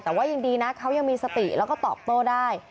แต่ว่ายังดีนะเขายังมีสติแล้วก็ตอบโต้ได้